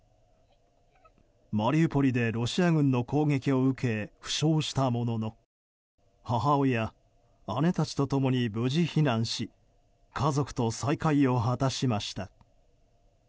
マリウポリでロシア軍の攻撃を受け負傷したものの母親、姉たちと共に、無事避難し家族と再会を果たしました。